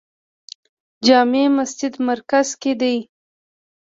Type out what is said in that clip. جامع مسجد مرکز کې دی